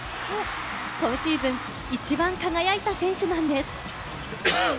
今シーズン一番輝いた選手なんです。